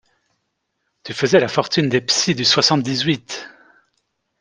Tu faisais la fortune des psys du soixante-dix-huit !